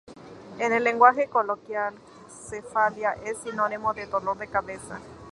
En el lenguaje coloquial cefalea es sinónimo de dolor de cabeza.